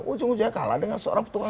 ujung ujungnya kalah dengan seorang petugas